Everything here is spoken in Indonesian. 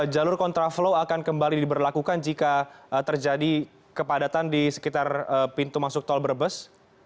jalur kontraflow akan kembali diberlakukan jika terjadi kepadatan di sekitar pintu masuk tol brebes